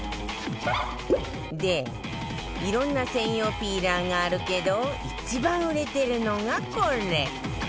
でいろんな専用ピーラーがあるけど一番売れてるのがこれ